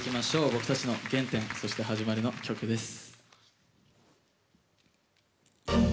僕たちの原点そして始まりの曲です。